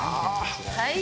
はい。